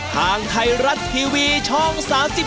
ทางไทยรัฐทีวีช่อง๓๒